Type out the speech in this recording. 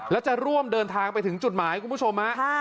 แล้วจะร่วมเดินทางไปถึงจุดหมายคุณผู้ชมฮะ